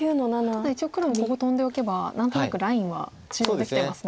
ただ一応黒もここトンでおけば何となくラインは中央できてますね。